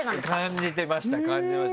感じてました感じました。